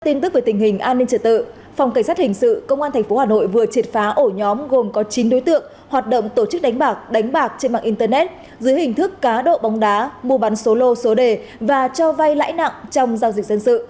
tin tức về tình hình an ninh trật tự phòng cảnh sát hình sự công an tp hà nội vừa triệt phá ổ nhóm gồm có chín đối tượng hoạt động tổ chức đánh bạc đánh bạc trên mạng internet dưới hình thức cá độ bóng đá mua bán số lô số đề và cho vay lãi nặng trong giao dịch dân sự